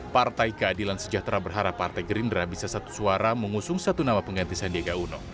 partai keadilan sejahtera berharap partai gerindra bisa satu suara mengusung satu nama pengganti sandiaga uno